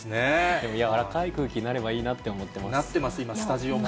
でも柔らかい空気になればいなってます、今スタジオも。